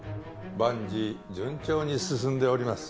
万事順調に進んでおります。